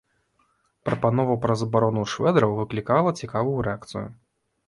Прапанова пра забарону швэдраў выклікала цікавую рэакцыю.